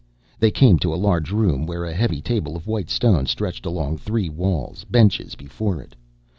They came to a large room where a heavy table of white stone stretched along three walls, benches before it.